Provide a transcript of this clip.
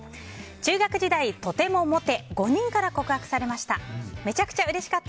中学時代とてもモテ５人から告白されました。